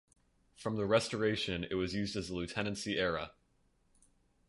From the Restoration it was used as a Lieutenancy area.